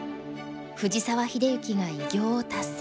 藤沢秀行が偉業を達成。